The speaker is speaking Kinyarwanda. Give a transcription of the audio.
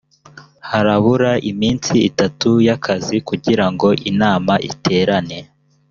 harabura iminsi itatu y akazi kugira ngo inama iterane